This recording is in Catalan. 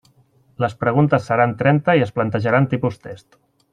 Les preguntes seran trenta i es plantejaran tipus test.